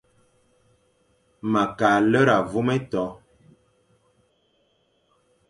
Ma kʼa lera vôm éto.